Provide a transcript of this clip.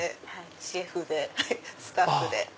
シェフでスタッフで。